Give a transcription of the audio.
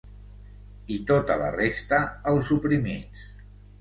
I tota la resta, els oprimits.